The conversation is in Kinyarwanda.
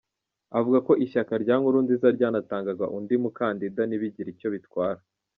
Avuga ko ishyaka rya Nkurunziza ryanatanga undi mukandida ntibigire icyo bitwara.